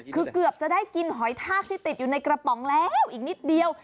คือเกือบจะได้กินหอยทากที่ติดอยู่ในกระป๋องแล้วอีกนิดเดียว